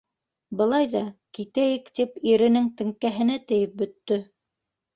Былай ҙа китәйек тип иренең теңкәһенә тейеп бөттө.